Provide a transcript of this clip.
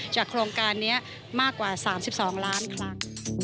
โครงการนี้มากกว่า๓๒ล้านครั้ง